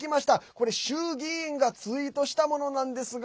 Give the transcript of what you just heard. これ州議員がツイートしたものなんですが。